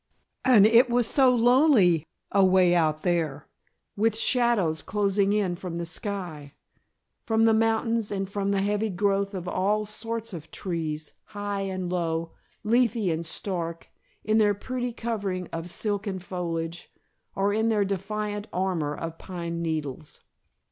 And it was so lonely, away out there, with shadows closing in from the sky, from the mountains and from the heavy growth of all sorts of trees, high and low, leafy and stark, in their pretty covering of silken foliage, or in their defiant armor of pine needles!